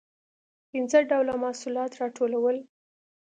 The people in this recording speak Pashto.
پنځه ډوله محصولات راټولول.